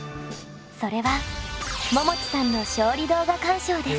それはももちさんの勝利動画鑑賞です。